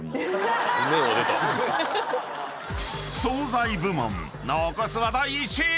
［惣菜部門残すは第１位！］